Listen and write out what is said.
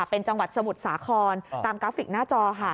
เป็นจังหวัดสมุทรสาครตามกราฟิกหน้าจอค่ะ